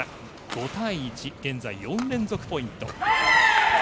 ５対１現在、４連続ポイント。